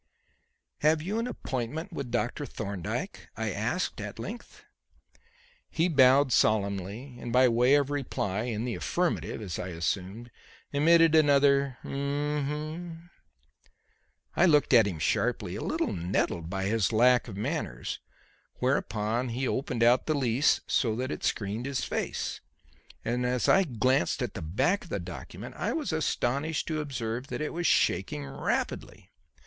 "Have you an appointment with Dr. Thorndyke?" I asked, at length. He bowed solemnly, and by way of reply in the affirmative, as I assumed emitted another "hm hm." I looked at him sharply, a little nettled by his lack of manners; whereupon he opened out the lease so that it screened his face, and as I glanced at the back of the document, I was astonished to observe that it was shaking rapidly.